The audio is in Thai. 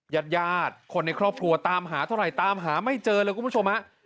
ญาติญาติคนในครอบครัวตามหาเท่าไหร่ตามหาไม่เจอเลยคุณผู้ชมฮะ